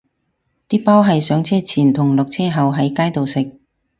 啲包係上車前同落車後喺街度食